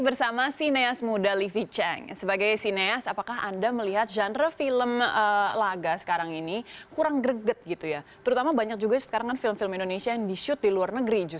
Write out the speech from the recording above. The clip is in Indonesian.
terima kasih kita harus berhenti berbicara tentang hal hal yang banyak di luar negeri